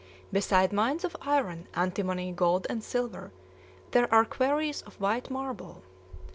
Beside mines of iron, antimony, gold, and silver, there are quarries of white marble.